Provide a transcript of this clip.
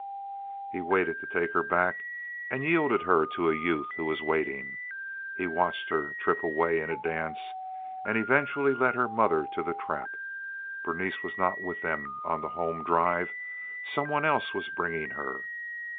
He waited to take her back, and yielded her to a youth who was waiting. He watched her trip away in a dance, and eventually led her mother to the trap. Berenice was not with them on the home drive; some one else was bringing her.